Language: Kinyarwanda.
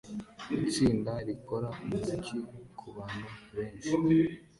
Itsinda rikora umuziki kubantu benshi